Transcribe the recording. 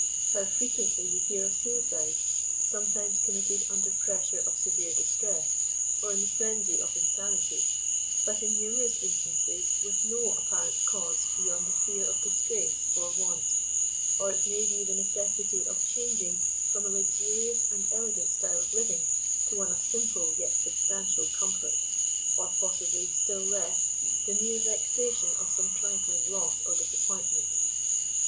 How frequently we hear of suicides, sometimes committedunder pressure of severe distress or in the frenzy of insanity, but in numerous instances with no apparent cause beyond the fear of disgrace or want, or it may be the necessity of changing from a luxurious and ele gant style of living, to one of simple yet substantial comfort, or possibly still less, the jjiere vexation of some trifling loss or disappointment/ WHERE RESTRAINT IS MOST NEEDED.